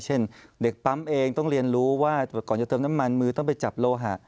เช่นเด็กปั๊มเองต้องเรียนรู้ว่าก่อนจะเติมน้ำมันมือต้องไปจับโลหะ